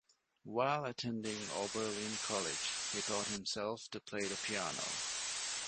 While attending Oberlin College, he taught himself to play the piano.